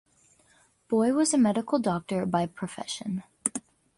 Boye was a medical doctor by profession.